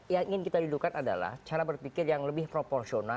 yang ingin kita dudukkan adalah cara berpikir yang lebih proporsional